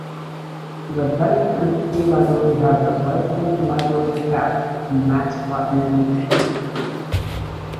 The Bennington Free Library has a resident library cat mascot named Pete.